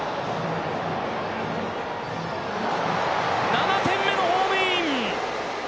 ７点目のホームイン。